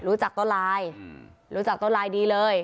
รู้จักต้นลายดีเลย